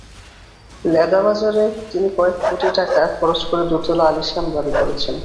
লেদা বাজারে তিনি কয়েক কোটি টাকা খরচ করে দোতলা আলিশান বাড়ি করেছেন।